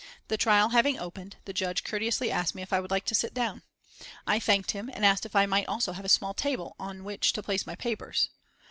The trial having opened the Judge courteously asked me if I would like to sit down. I thanked him, and asked if I might also have a small table on which to place my papers.